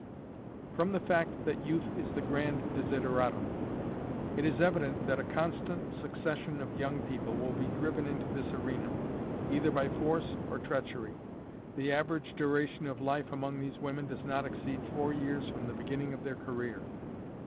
From the fact that youth is the grand desideratum, it is evident that a constant succession of young people will be driven into this arena, either by force or treachery. _The average duration of life among these women does not exceed four years from the beginning of their career!